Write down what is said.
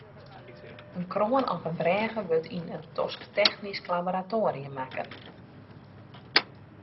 In kroan of in brêge wurdt yn in tosktechnysk laboratoarium makke.